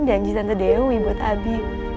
janji santa dewi buat abi